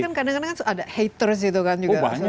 kan kadang kadang ada haters gitu kan juga